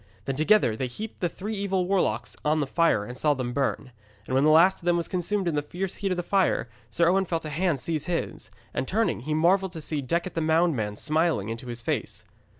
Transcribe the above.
Then together they heaped the three evil warlocks on the fire and saw them burn. And when the last of them was consumed in the fierce heat of the fire, Sir Owen felt a hand seize his, and, turning, he marvelled to see Decet the Moundman smiling into his face.